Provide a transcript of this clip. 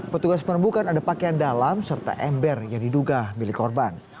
petugas menemukan ada pakaian dalam serta ember yang diduga milik korban